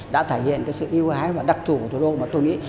đã thể hiện cái sự yêu hái và đặc thủ của thủ đô mà tôi nghĩ